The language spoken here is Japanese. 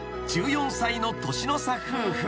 ［１４歳の年の差夫婦］